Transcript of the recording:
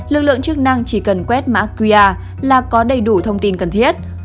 lực lượng chức năng chỉ cần quét mã qr là có đầy đủ thông tin cần thiết